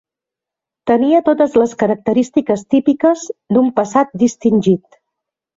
Tenia totes les característiques típiques d'un passat distingit.